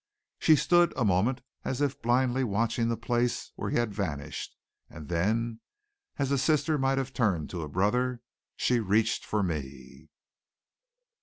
She stood a moment as if blindly watching the place where he had vanished, and then as a sister might have turned to a brother, she reached for me.